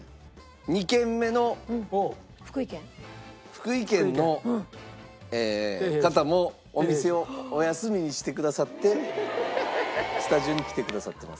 ２軒目の福井県の方もお店をお休みにしてくださってスタジオに来てくださってます。